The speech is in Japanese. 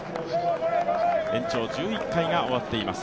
延長１１回が終わっています。